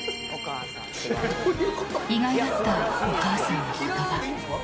意外だったお母さんの言葉。